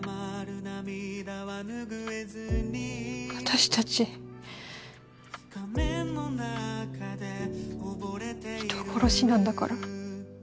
私たち人殺しなんだから。